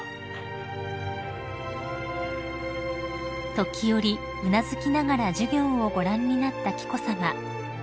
［時折うなずきながら授業をご覧になった紀子さま］